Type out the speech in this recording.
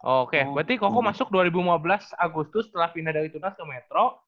oke berarti koko masuk dua ribu lima belas agustus setelah pindah dari tunas ke metro